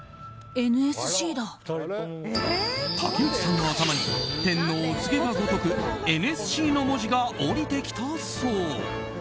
竹内さんの頭に天のお告げがごとく「ＮＳＣ」の文字が降りてきたそう。